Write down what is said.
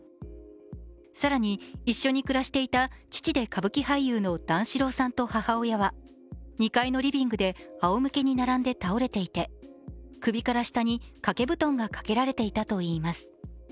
更に一緒に暮らしていた父で歌舞伎俳優の段四郎さんと母親は２階のリビングであおむけに並んで倒れていて首から下に掛け布団がかけられていたといいます。